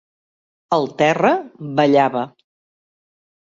El terra ballava.